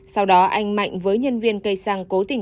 sau đó anh mạnh với nhân viên cây xăng cố tình